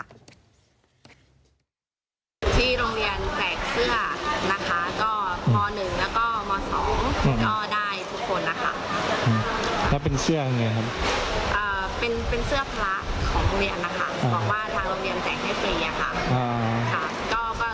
ก็รู้สึกว่าเสื้อตัวใหญ่กว่าไซส์ปกตินะคะ